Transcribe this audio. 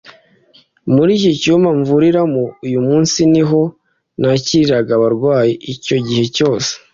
(…) muri iki cyumba mvuriramo uyu munsi ni ho nakiriraga abarwayi icyo gihe cyose”